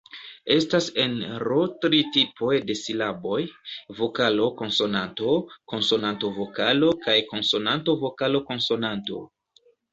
Estas en Ro tri tipoj de silaboj: vokalo-konsonanto, konsonanto-vokalo kaj konsonanto-vokalo-konsonanto.